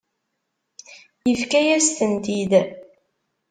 Yefka-yas-tent-id.